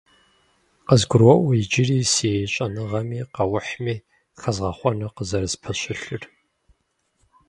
КъызгуроӀуэ иджыри си щӀэныгъэми къэухьми хэзгъэхъуэну къызэрыспэщылъыр.